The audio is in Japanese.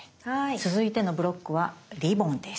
続いてのブロックはリボンです。